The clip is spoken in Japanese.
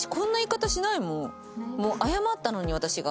謝ったのに私が。